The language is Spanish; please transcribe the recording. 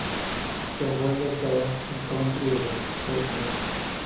Su abuelo escuchaba country de los Estados Unidos.